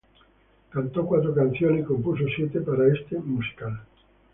Cantó cuatro canciones y compuso siete para este musical.